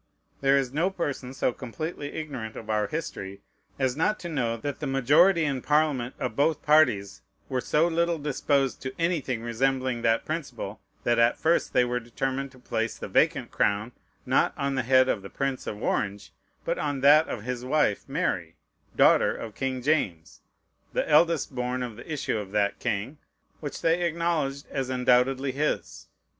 There is no person so completely ignorant of our history as not to know that the majority in Parliament, of both parties, were so little disposed to anything resembling that principle, that at first they were determined to place the vacant crown, not on the head of the Prince of Orange, but on that of his wife, Mary, daughter of King James, the eldest born of the issue of that king, which they acknowledged as undoubtedly his.